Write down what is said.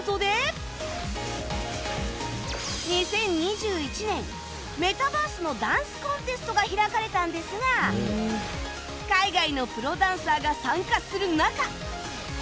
２０２１年メタバースのダンスコンテストが開かれたんですが海外のプロダンサーが参加する中